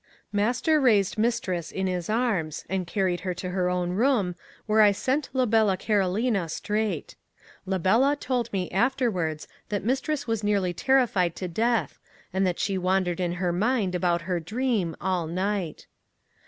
Master raised mistress in his arms, and carried her to her own room, where I sent la bella Carolina straight. La bella told me afterwards that mistress was nearly terrified to death, and that she wandered in her mind about her dream, all night.